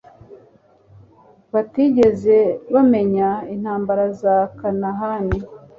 batigeze bamenya intambara za kanahani